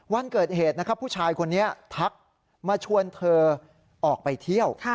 วันเกิดเหตุนะครับผู้ชายคนนี้ทักมาชวนเธอออกไปเที่ยว